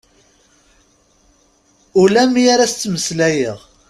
Ula mi ara as-ttmeslayeɣ.